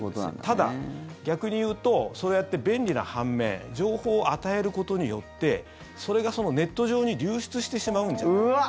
ただ、逆に言うとそうやって便利な半面情報を与えることによってそれがネット上に流出してしまうんじゃないかと。